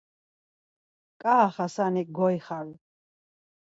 Ǩaaxasanik goixaru.